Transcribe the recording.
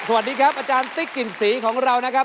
สวัสดีครับอาจารย์ติ๊กกลิ่นสีของเรานะครับ